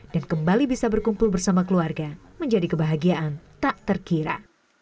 dan kembali bisa berkumpul bersama keluarga menjadi kebahagiaan tak terkira